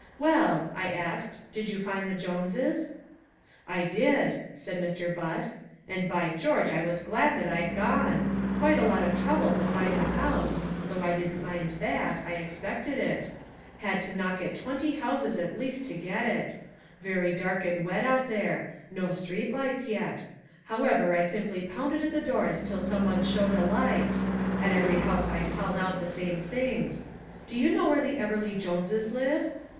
"Well," I asked, "did you find the Joneses?" "I did," said Mr. Butt, "and by George I was glad that I'd gone quite a lot of trouble to find the house (though I didn't mind that; I expected it) had to knock at twenty houses at least to get it, very dark and wet out there, no street lights yet, however I simply pounded at the doors until some one showed a light at every house I called out the same things, 'Do you know where the Everleigh Joneses live?'